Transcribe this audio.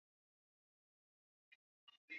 ee bado wanamtaka bado wanampenda gadaffi